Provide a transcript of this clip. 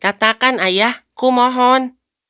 katakan ayah kumohon